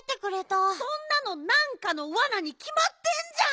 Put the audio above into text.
そんなのなんかのワナにきまってんじゃん！